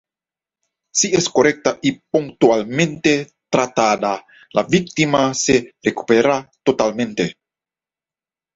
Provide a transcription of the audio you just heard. Si es correcta y puntualmente tratada, la víctima se recupera totalmente.